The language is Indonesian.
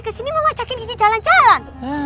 ke sini mau ngacakin kiki jalan jalan